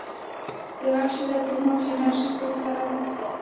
د غږ شدت د موج انرژۍ پورې تړلی.